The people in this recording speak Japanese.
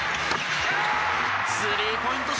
スリーポイント